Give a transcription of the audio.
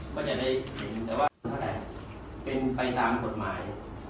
ก็จะได้เห็นแต่ว่าเป็นไปตามกฎหมาย